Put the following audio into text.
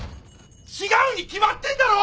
違うに決まってんだろ！